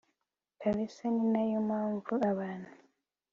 kabsa ninayo mpamvu abantu